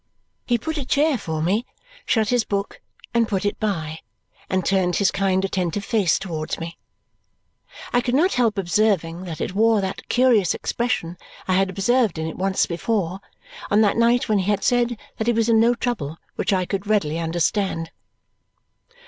He put a chair for me, shut his book, and put it by, and turned his kind attentive face towards me. I could not help observing that it wore that curious expression I had observed in it once before on that night when he had said that he was in no trouble which I could readily understand.